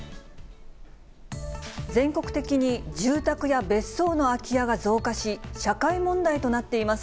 全国的に住宅や別荘の空き家が増加し、社会問題となっています。